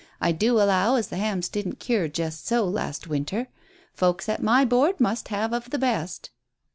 I do allow as the hams didn't cure just so, last winter. Folks at my board must have of the best."